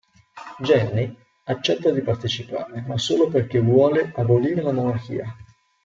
Jenny accetta di partecipare, ma solo perché vuole abolire la monarchia.